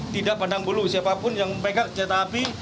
tidak pandang bulu siapapun yang pegang senjata api